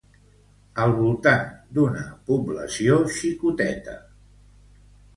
Al voltant de Cerro El Tambor amb una població xicoteta.